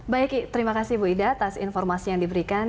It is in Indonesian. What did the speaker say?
baik terima kasih ibu ida atas informasi yang diberikan